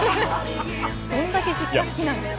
どんだけ実家好きなんですか？